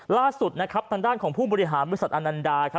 ล่าสุดทางด้านของผู้บริหารบริษัทอนันดา